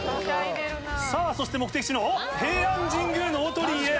さぁそして目的地のおっ平安神宮の大鳥居へ。